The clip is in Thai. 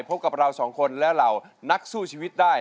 พบกับเราสองคนและเหล่านักสู้ชีวิตได้